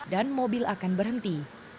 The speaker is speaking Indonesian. dan mobil akan berhenti